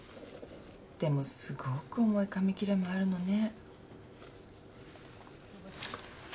でもすごく重い紙切れもあるのね。